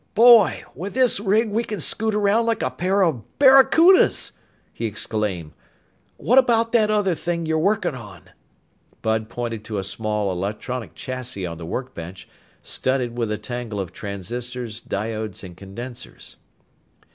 "Boy! With this rig, we can scoot around like a pair of barracudas!" he exclaimed. "What about that other thing you're working on?" Bud pointed to a small electronic chassis on the workbench, studded with a tangle of transistors, diodes, and condensers.